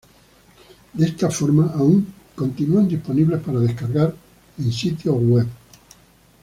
De esta forma, aún continúan disponibles para descargar en sitios web ajenos a Microsoft.